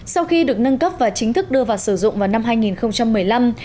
sau khi được nâng cấp và chính thức đưa vào sử dụng vào năm hai nghìn một mươi năm